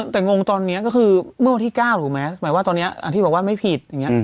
แต่งงตอนนี้ก็คือเมื่อวันที่๙ถูกไหมหมายว่าตอนนี้ที่บอกว่าไม่ผิดอย่างนี้